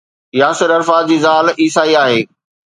Yasir Arafat جي زال عيسائي آهي.